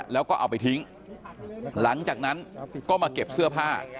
แล้วก็เอาไปทิ้งหลังจากนั้นก็มาเก็บเสื้อผ้า